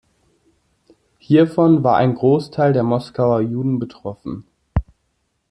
Hiervon war ein Großteil der Moskauer Juden betroffen.